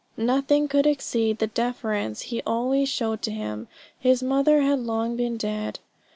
Nothing could exceed the deference he always showed to him. His mother had long been dead.